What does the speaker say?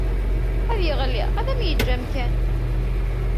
Ad yeɣli, ad m-yeǧǧ amkan.